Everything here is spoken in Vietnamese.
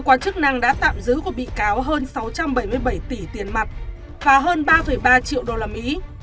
bà trương mỹ lan đã tạm giữ của bị cáo hơn sáu trăm bảy mươi bảy tỷ tiền mặt và hơn ba ba triệu đô la mỹ